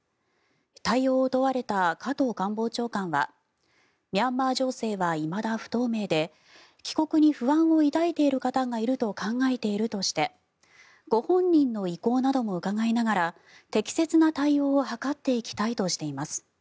対応を問われた加藤官房長官はミャンマー情勢はいまだ不透明で帰国に不安を抱いている方がいると考えているとしてご本人の意向なども伺いながら適切な対応を図っていきたいとしています。